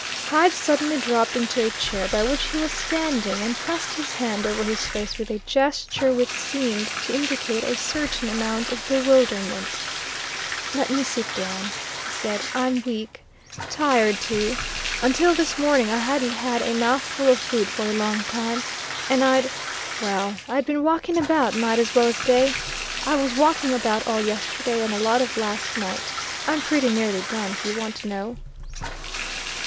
Hyde suddenly dropped into a chair by which he was standing, and pressed his hand over his face with a gesture which seemed to indicate a certain amount of bewilderment. "Let me sit down," he said. "I'm weak, tired, too. Until this morning I hadn't had a mouthful of food for a long time, and I'd well, I'd been walking about, night as well as day. I was walking about all yesterday, and a lot of last night. I'm pretty nearly done, if you want to know!"